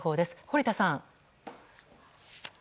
堀田さん。